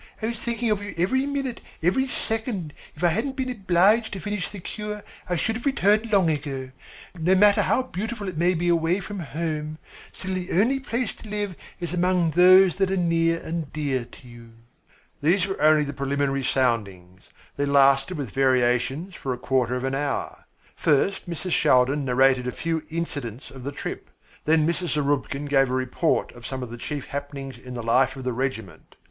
I was thinking of you every minute, every second. If I hadn't been obliged to finish the cure, I should have returned long ago. No matter how beautiful it may be away from home, still the only place to live is among those that are near and dear to you." These were only the preliminary soundings. They lasted with variations for a quarter of an hour. First Mrs. Shaldin narrated a few incidents of the trip, then Mrs. Zarubkin gave a report of some of the chief happenings in the life of the regiment.